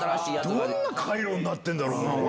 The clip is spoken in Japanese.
どんな回路になってるんだろうな。